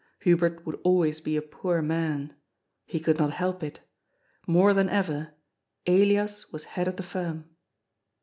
Hubert would always be a poor man. He could not help it. More than ever, Elias was head of the firm.